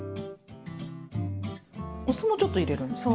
お酢もちょっと入れるんですね。